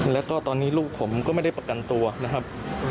แล้วก็ตอนนี้ลูกผมก็ไม่ได้ประกันตัวนะครับ